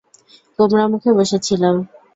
গোমরা মুখে বসে ছিলাম।